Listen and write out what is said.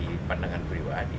itu bersebuah pandangan pribadi